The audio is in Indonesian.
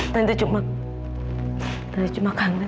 tante cuma kelihatan seperti aida sendiri